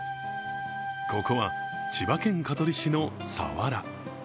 ここは千葉県香取市の佐原。